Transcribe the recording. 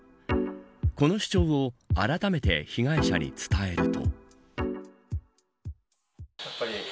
この主張をあらためて被害者に伝えると。